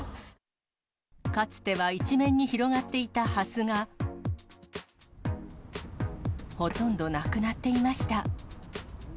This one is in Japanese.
かつては一面に広がっていたハスが、ほとんどなくなっていました。